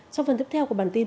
sau phần tiếp theo của bản tin